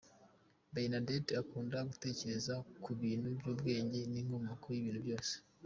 Bernadette akunda gutekereza ku bintu by’ubwenge n’inkomoko y’ibintu byose.